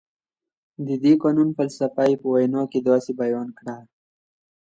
د دې قانون فلسفه یې په وینا کې داسې بیان کړه.